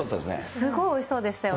すごいおいしそうでしたよね。